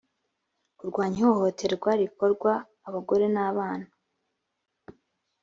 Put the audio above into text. kurwanya ihohoterwa rikorwa abagore n abana